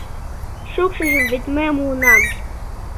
— Шукшыжым вет мый муынам.